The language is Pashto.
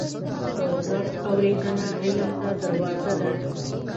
په غوږ اورېدنه علم ته دروازه ده